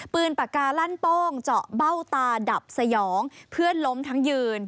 ปากกาลั่นโป้งเจาะเบ้าตาดับสยองเพื่อนล้มทั้งยืน